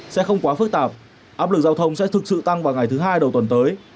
sẽ không quá phức tạp áp lực giao thông sẽ thực sự tăng vào ngày thứ hai đầu tuần tới